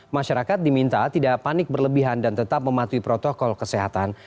masyarakat diminta tidak panik berlebihan dan tetap mematuhi protokol kesehatan